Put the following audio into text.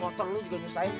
motor lo juga nyusahin